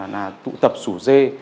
là tụ tập sủ dê